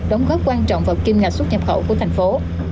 đóng góp quan trọng vào kim ngạch xuất nhập khẩu của thành phố